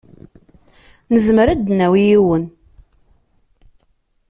Nezmer ad d-nawi yiwen.